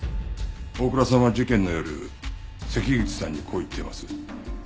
大倉さんは事件の夜関口さんにこう言っています。